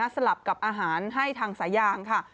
หรือว่าอาหารอ่อนสลับกับอาหารให้ทางสายางค่ะ